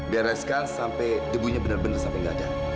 bereskan sampai debunya benar benar sampai nggak ada